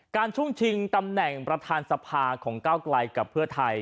ช่วงชิงตำแหน่งประธานสภาของก้าวไกลกับเพื่อไทย